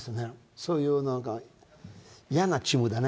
そういうなんか、嫌なチームだね。